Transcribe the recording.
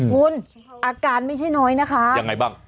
คุณอาการไม่ใช่น้อยนะคะยังไงบ้าง